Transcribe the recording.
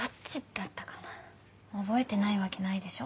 覚えてないわけないでしょ。